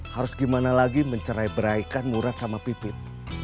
harus gimana lagi mencerai beraikan murad sama pipit